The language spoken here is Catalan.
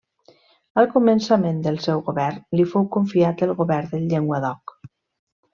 Al començament del seu govern li fou confiat el govern del Llenguadoc.